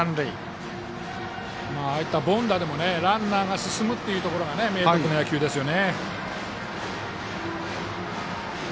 ああいった凡打でもランナーが進むというところが明徳の野球ですよね。